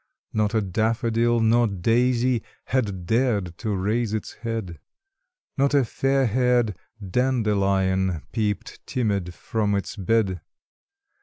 Not a daffodil nor daisy Had dared to raise its head; Not a fairhaired dandelion Peeped timid from its bed; THE CROCUSES.